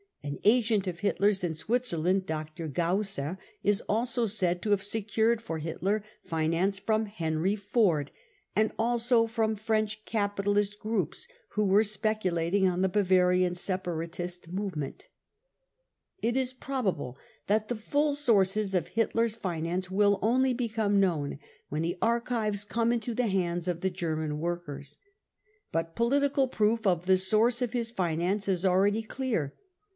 An agent of Hitler's in Switzerland, Dr. Gausser, is also said to have secured for Hitler finance from Henry Ford and also from French capitalist groups who were speculating on the Bavarian separatist movement. It is probable that the full sources of Hitler's finance will only become known when the archives come into the hands of the German workers. But political proof of the source of a his finance is already clear.